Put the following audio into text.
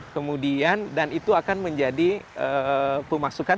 kemudian dan itu akan menjadi pemasukan